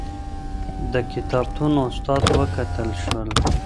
د کتابتون اسناد وکتل شول.